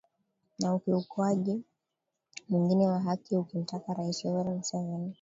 na ukiukwaji mwingine wa haki akimtaka Rais Yoweri Museveni